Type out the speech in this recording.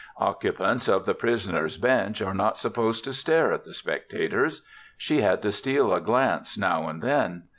Occupants of the prisoners' bench are not supposed to stare at the spectators. She had to steal a glance now and then.